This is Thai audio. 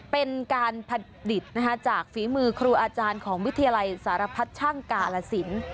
เป็นการผลิตจากฝีมือครูอาจารย์ของวิทยาลัยสารพัดช่างกาลสิน